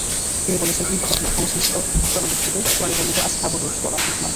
তিনি বলেছেন, এই ঘটনা সংশ্লিষ্ট জনগোষ্ঠীকে কুরআনে বর্ণিত আসহাবুর রসস বলা ঠিক নয়।